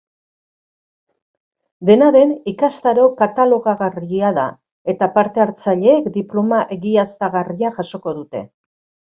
Dena den, ikastaro katalogagarria da eta parte-hartzaileek diploma egiaztagarria jasoko dute.